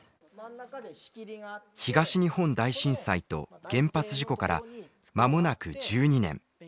東日本大震災と原発事故からまもなく１２年。